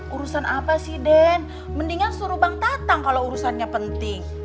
urusan apa sih den mendingan suruh bang tatang kalau urusannya penting